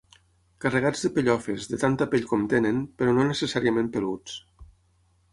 Carregats de pellofes, de tanta pell com tenen, però no necessàriament peluts.